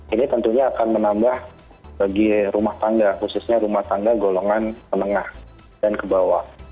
ini tentunya akan menambah bagi rumah tangga khususnya rumah tangga golongan menengah dan ke bawah